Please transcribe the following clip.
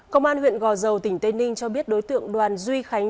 công an huyện gò dầu tỉnh tây ninh cho biết đối tượng đoàn duy khánh